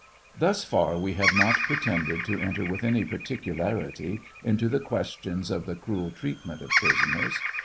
Thus far we have not pretended to enter with any particularity into the ques ' tions of the cruel treatment of prisoners.